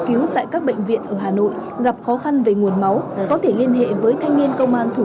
cứu tại các bệnh viện ở hà nội gặp khó khăn về nguồn máu có thể liên hệ với thanh niên công an thu